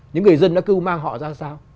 những người dân đã cứu mang họ ra sao